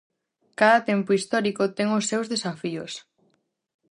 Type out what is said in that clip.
Cada tempo histórico ten os seus desafíos.